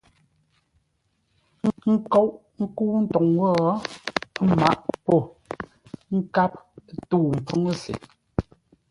Ə́ nkóʼ ńkə́u ntoŋ wó, ə́ mǎʼ pô ńkáp, a tə̂u ḿpfúŋ se.